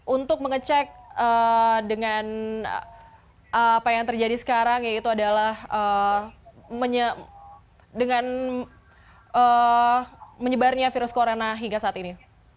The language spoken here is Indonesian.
untuk mengecek dengan apa yang terjadi sekarang yaitu adalah dengan menyebarnya virus corona hingga saat ini